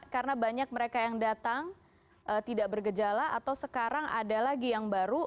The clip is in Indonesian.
karena banyak mereka yang datang tidak bergejala atau sekarang ada lagi yang baru